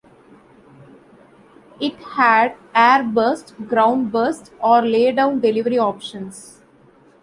It had air burst, ground burst or laydown delivery options.